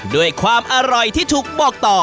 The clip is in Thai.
ด้วยความอร่อยที่ถูกบอกต่อ